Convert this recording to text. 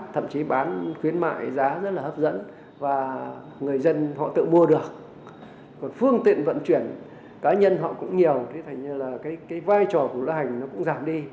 thế thành như là cái vai trò của lữ hành nó cũng giảm đi